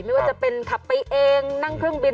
ไม่ว่าจะเป็นขับไปเองนั่งเครื่องบิน